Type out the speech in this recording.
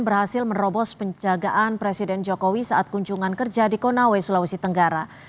berhasil menerobos penjagaan presiden jokowi saat kunjungan kerja di konawe sulawesi tenggara